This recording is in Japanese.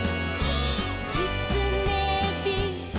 「きつねび」「」